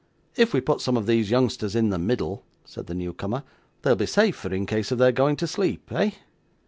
'If we put some of these youngsters in the middle,' said the new comer, 'they'll be safer in case of their going to sleep; eh?